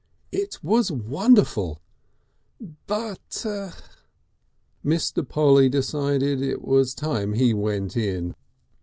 It was wonderful, but Mr. Polly decided that it was time he went in.